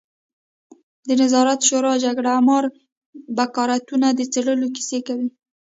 د نظار شورا جګړهمار بکارتونو د څېرلو کیسې کوي.